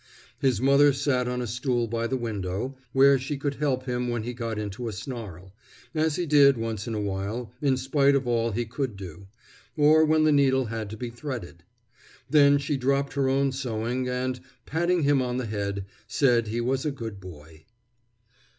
His mother sat on a stool by the window, where she could help him when he got into a snarl, as he did once in a while, in spite of all he could do, or when the needle had to be threaded. Then she dropped her own sewing, and, patting him on the head, said he was a good boy.